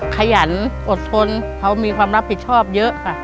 ขยันอดทนเขามีความรับผิดชอบเยอะค่ะ